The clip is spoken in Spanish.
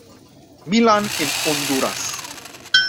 Milan en Honduras.